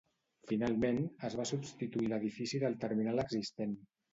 Finalment, es va substituir l'edifici del terminal existent.